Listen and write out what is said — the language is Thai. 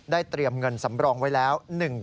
เตรียมเงินสำรองไว้แล้ว